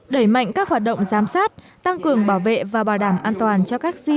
đẩy mạnh các hoạt động giám sát tăng cường bảo vệ và bảo đảm an toàn cho các di sản